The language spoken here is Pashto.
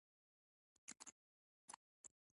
شخصاً ته هېڅ قېمت نه لرې.